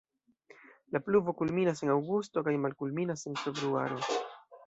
La pluvo kulminas en aŭgusto kaj malkulminas en februaro.